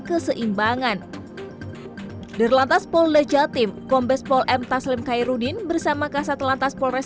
keseimbangan di lantas polres jatim kombes pol m taslim khairuddin bersama kasat lantas polres